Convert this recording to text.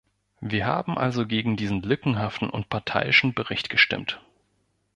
Wir haben also gegen diesen lückenhaften und parteiischen Bericht gestimmt.